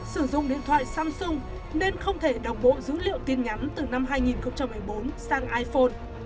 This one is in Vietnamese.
sử dụng điện thoại samsung nên không thể đọc bộ dữ liệu tin nhắn từ năm hai nghìn một mươi bốn sang iphone